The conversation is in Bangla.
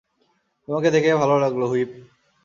তোমাকে দেখে ভালো লাগলো, হুইপ।